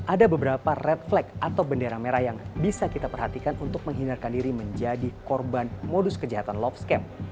ada beberapa red flag atau bendera merah yang bisa kita perhatikan untuk menghindarkan diri menjadi korban modus kejahatan love scam